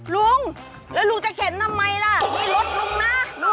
ลุงลูกจะเขียนน่ะไม่ลดลุงนะ